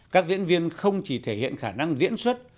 các diễn viên không chỉ thể hiện khả năng diễn xuất